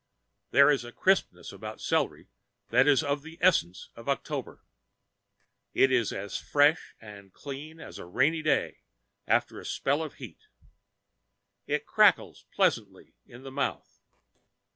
There is a crispness about celery that is of the essence of October. It is as fresh and clean as a rainy day after a spell of heat. It crackles pleasantly in the mouth.